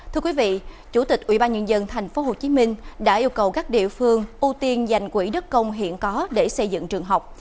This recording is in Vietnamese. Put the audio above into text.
thưa quý vị chủ tịch ubnd tp hcm đã yêu cầu các địa phương ưu tiên dành quỹ đất công hiện có để xây dựng trường học